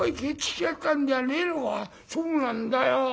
「そうなんだよ。